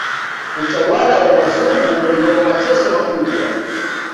Utawala wa wazungu uliwapa mateso makubwa